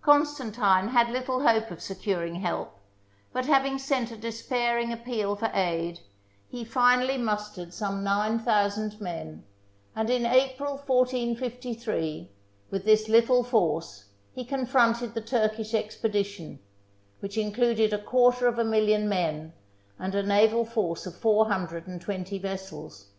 Constantine had little hope of securing help, but having sent a despairing appeal for aid, he finally mustered some nine thousand men, and in April, 1453, with this little force he confronted the Turk ish expedition, which included a quarter of a million men and a naval force of four hundred and twenty vessels.